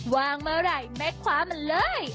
ว่างเมื่อไหร่แม่คว้ามันเลย